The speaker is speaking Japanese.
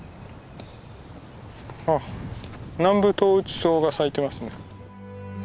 あっナンブトウウチソウが咲いてますね。